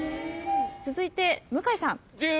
続いて向井さん。